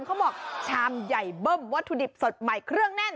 เขาบอกชามใหญ่เบิ้มวัตถุดิบสดใหม่เครื่องแน่น